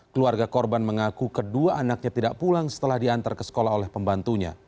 keluarga korban mengaku kedua anaknya tidak pulang setelah diantar ke sekolah oleh pembantunya